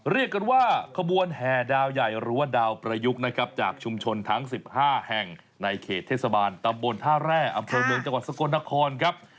เรียกกันว่าขบวนแห่ดาวใหญ่หรือว่าดาวประยุกต์นะครับจากชุมชนทั้ง๑๕แห่งในเขตเทศบาลตำบลท่าแร่อำเภอเมืองจังหวัดสกลนครครับ